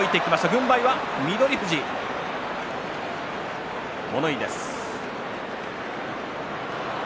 軍配は翠富士、物言いです。